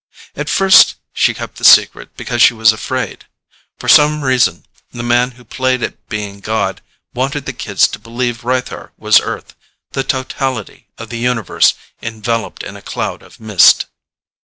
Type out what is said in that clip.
At first she kept the secret because she was afraid. For some reason the man who played at being god wanted the kids to believe Rythar was Earth, the totality of the universe enveloped in a cloud of mist.